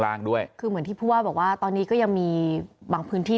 ด้วยคือเหมือนที่ผู้ว่าบอกว่าตอนนี้ก็ยังมีบางพื้นที่